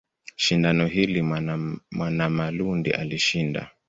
Shindano hili Mwanamalundi alishinda.